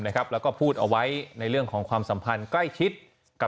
แล้วก็พูดเอาไว้ในเรื่องของความสัมพันธ์ใกล้ชิดกับ